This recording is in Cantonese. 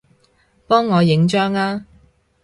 幫我影張吖